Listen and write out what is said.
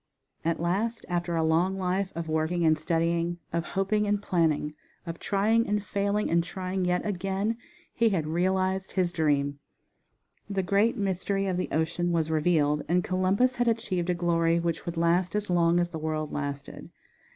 At last after a long life of working and studying, of hoping and planning, of trying and failing, and trying yet again, he had realized his dream. The great mystery of the ocean was revealed, and Columbus had achieved a glory which would last as long as the world lasted.